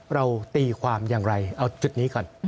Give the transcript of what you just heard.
เราตีความอย่างไรเอาจุดนี้ก่อน